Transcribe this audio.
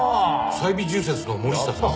サイビ住設の森下さん？